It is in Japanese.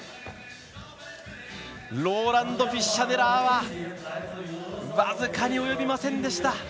ローランド・フィッシャネラーは僅かに及びませんでした。